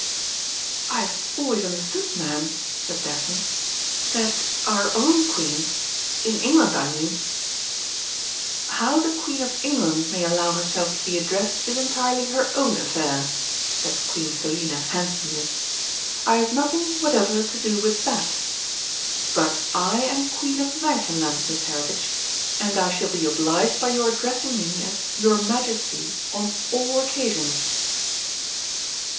'" "I've always understood, Ma'am," said Daphne, "that our own Queen in England, I mean " "How the Queen of England may allow herself to be addressed is entirely her own affair," said Queen Selina handsomely; "I have nothing whatever to do with that. But I am Queen of Märchenland, Miss Heritage, and I shall be obliged by your addressing me as 'Your Majesty' on all occasions."